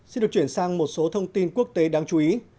xin được chuyển sang một số thông tin quốc tế đáng chú ý